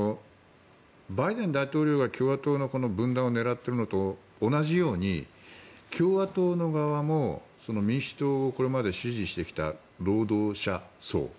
バイデン大統領が共和党の分断を狙っているのと同じように共和党の側も民主党をこれまで支持してきた労働者層。